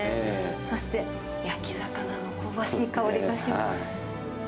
そして、焼き魚の香ばしい香りがします。